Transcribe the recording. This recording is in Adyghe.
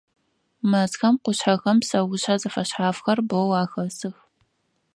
Мэзхэм, къушъхьэхэм псэушъхьэ зэфэшъхьафхэр бэу ахэсых.